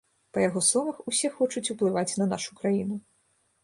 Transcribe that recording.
Па яго словах, усе хочуць уплываць на нашу краіну.